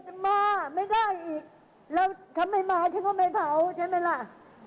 จะมาไม่ได้อีกแล้วถ้าไม่มาฉันก็ไม่เผาใช่ไหมล่ะ